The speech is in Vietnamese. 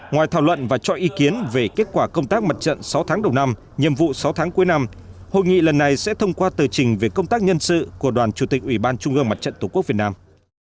ngoài thảo luận và cho ý kiến về kết quả công tác mặt trận sáu tháng đầu năm nhiệm vụ sáu tháng cuối năm hội nghị lần này sẽ thông qua tờ trình về công tác nhân sự của đoàn chủ tịch ủy ban trung ương mặt trận tổ quốc việt nam